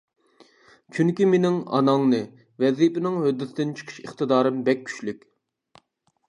چۈنكى مېنىڭ ئاناڭنى. ۋەزىپىنىڭ ھۆددىسىدىن چىقىش ئىقتىدارىم بەك كۈچلۈك!